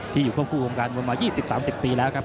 ที่อยู่ควบคุมกับการมวยมา๒๐๓๐ปีแล้วครับ